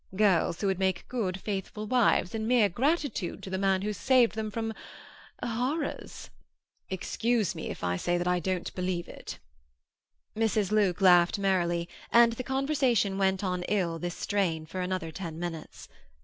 Girls who would make good, faithful wives, in mere gratitude to the man who saved them from—horrors." "Excuse me if I say that I don't believe it." Mrs. Luke laughed merrily, and the conversation went on in this strain for another ten minutes.